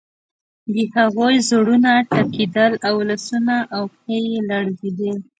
د هغوی زړونه ټکیدل او لاسونه او پښې یې لړزیدې